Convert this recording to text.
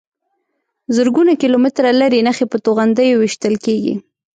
زرګونه کیلومتره لرې نښې په توغندیو ویشتل کېږي.